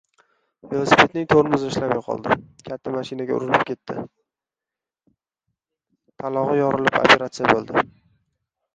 Velosipedining tormizi ishlamay qolib, katta mashinaga urilib ketib, talog`i yorilib operasiya bo`ldi